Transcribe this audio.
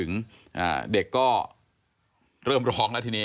ตกลงไปจากรถไฟได้ยังไงสอบถามแล้วแต่ลูกชายก็ยังไง